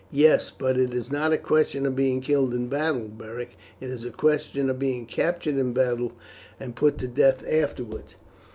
"Yes, but it is not a question of being killed in battle, Beric; it is a question of being captured in battle and put to death afterwards.